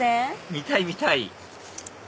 見たい見たい！